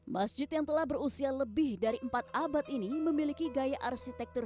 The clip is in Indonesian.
masjid yang telah berusia lebih dari empat abad ini memiliki gaya arsitektur